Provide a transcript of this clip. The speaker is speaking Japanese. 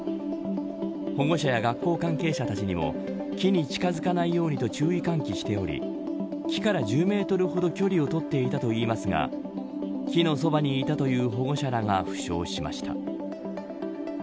保護者や学校関係者たちにも木に近づかないようにと注意喚起しており木から１０メートルほど距離を取っていたといいますが木のそばにいたという保護者らが負傷しました。